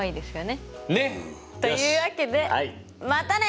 ねっ！というわけでまたね！